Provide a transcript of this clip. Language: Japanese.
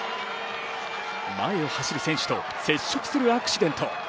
前を走る選手と接触するアクシデント。